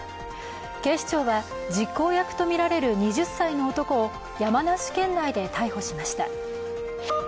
警視庁は、実行役とみられる２０歳の男を山梨県内で逮捕しました。